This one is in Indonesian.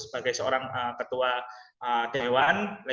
sebagai seorang ketua dewan